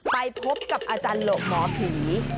ไปพบกับอาจารย์โหลกหมอผี